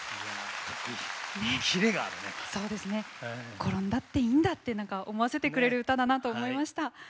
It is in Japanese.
転んだっていいんだって思わせてくれる歌だなと思いました。